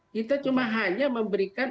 kita cuma hanya memberikan